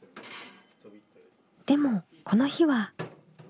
でもこの日は。